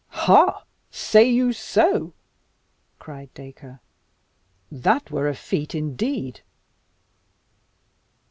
"Ha! say you so?" cried Dacre; "that were a feat, indeed!"